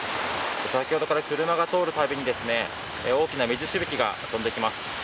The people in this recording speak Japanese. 先ほどから車が通るたびに大きな水しぶきが飛んできます。